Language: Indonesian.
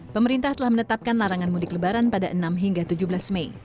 pemerintah telah menetapkan larangan mudik lebaran pada enam hingga tujuh belas mei